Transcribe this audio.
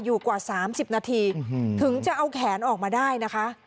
อยู่กว่าสามสิบนาทีอืมถึงจะเอาแขนออกมาได้นะคะ